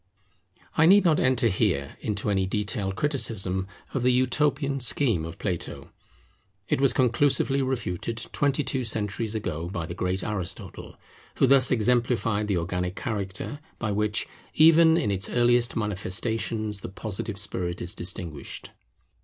I need not enter here into any detailed criticism of the utopian scheme of Plato. It was conclusively refuted twenty two centuries ago, by the great Aristotle, who thus exemplified the organic character, by which, even in its earliest manifestations, the Positive spirit is distinguished.